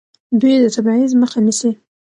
دوی د تبعیض مخه نیسي.